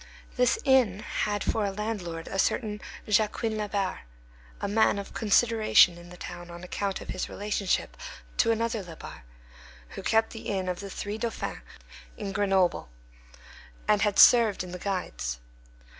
This inn had for a landlord a certain Jacquin Labarre, a man of consideration in the town on account of his relationship to another Labarre, who kept the inn of the Three Dauphins in Grenoble, and had served in the Guides.